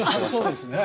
そうですね。